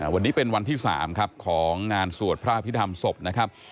วันนี้เป็นวันที่๓ครับของงานสวดพระอภิษฐรรมศพนะครับ